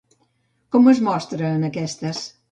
Com es mostra en aquestes?